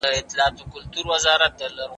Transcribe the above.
که نجونې هوټل ولري نو مسافر به بې ځایه نه وي.